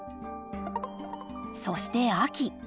そして秋。